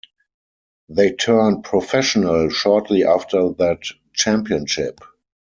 They turned professional shortly after that championship.